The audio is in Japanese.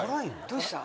どうした？